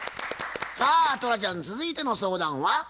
さあトラちゃん続いての相談は？